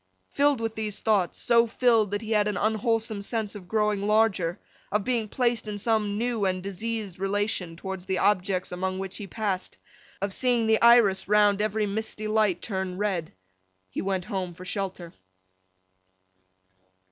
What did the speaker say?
Filled with these thoughts—so filled that he had an unwholesome sense of growing larger, of being placed in some new and diseased relation towards the objects among which he passed, of seeing the iris round every misty light turn red—he went home for shelter.